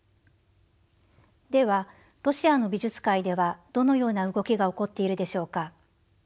ではロシアの美術界ではどのような動きが起こっているでしょうか。